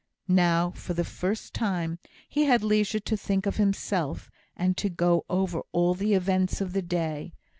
Now, for the first time, he had leisure to think of himself; and to go over all the events of the day.